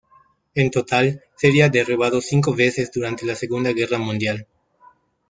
En total, sería derribado cinco veces durante la Segunda Guerra Mundial.